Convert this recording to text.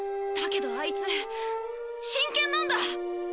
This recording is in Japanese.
だけどアイツ真剣なんだ。